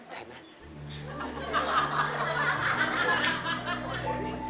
ใช่ไหม